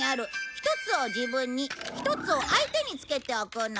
一つを自分に一つを相手につけておくの。